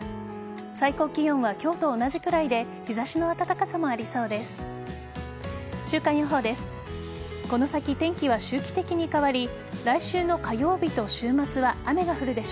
最高気温は今日と同じくらいで日差しの暖かさもありそうです。